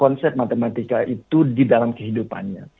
konsep matematika itu di dalam kehidupannya